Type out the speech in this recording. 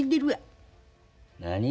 何？